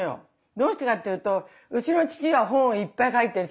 どうしてかっていうとうちの父が本をいっぱい書いてるしね。